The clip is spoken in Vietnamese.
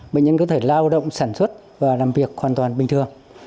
bệnh nhân có thể lao động sản xuất và làm việc hoàn toàn bình thường